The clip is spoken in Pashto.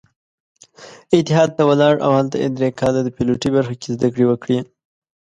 اتحاد ته ولاړ او هلته يې درې کاله د پيلوټۍ برخه کې زدکړې وکړې.